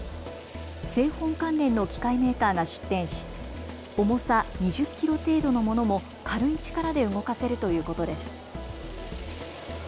製本関連の機械メーカーが出展し重さ２０キロ程度のものも軽い力で動かせるということです。